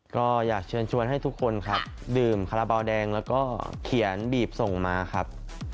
ก็อยากเชิญชวนให้ทุกคนครับดื่มคาราบาลแดงแล้วก็เขียนบีบส่งมาครับ